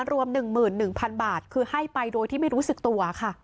รวม๑๑๐๐๐บาทคือให้ไปโดยที่ไม่รู้สึกตัวค่ะ